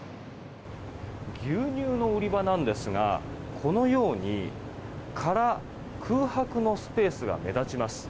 牛乳の売り場なんですがこのように、空空白のスペースが目立ちます。